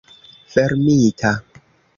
fermita